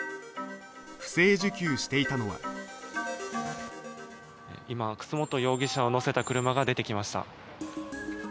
不正受給していたのは今、楠本容疑者を乗せた車が出てきました。